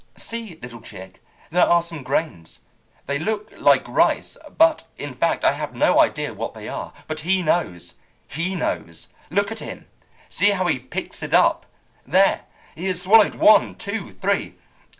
See, little chick, there are some grains! They look like rice, but, in fact, I have no idea what they are. But he knows, he knows! Look at him! See how he picks it up! There! He has swallowed one, two, three.